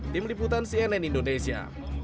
tim liputan cnn indonesia